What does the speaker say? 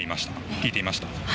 聞いていました。